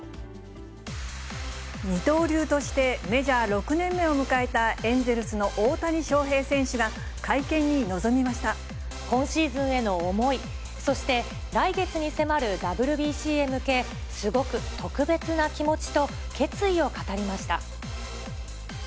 二刀流として、メジャー６年目を迎えたエンゼルスの大谷翔平選手が、会見に臨み今シーズンへの思い、そして、来月に迫るＷＢＣへ向け、すごく特別な気持ちと、決意を語りました。